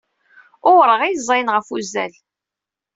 Uṛeɣ i yeẓẓayen ɣef wuzzal.